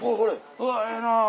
うわええなぁ。